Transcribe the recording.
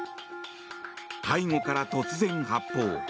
背後から突然、発砲。